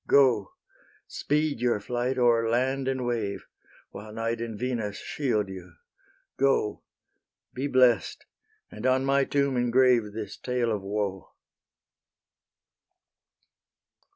Go; speed your flight o'er land and wave, While Night and Venus shield you; go Be blest: and on my tomb engrave This tale of woe."